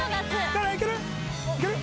誰かいける？